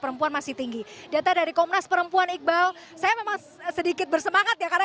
perempuan masih tinggi data dari komnas perempuan iqbal saya memang sedikit bersemangat ya karena